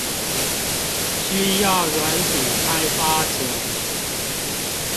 需要軟體開發者